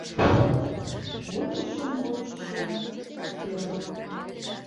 Вучышым, вучышым — уке.